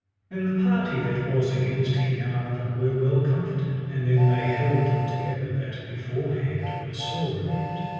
Then the party that was against King Arthur were well comforted, and then they held them together that beforehand were sore rebuked.